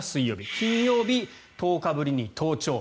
金曜日、１０日ぶりに登庁。